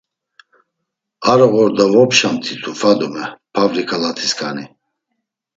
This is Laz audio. Aroğorda vopşamt̆itu Fadume, pavri ǩalatisǩani.